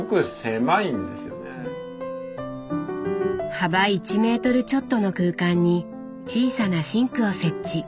幅１メートルちょっとの空間に小さなシンクを設置。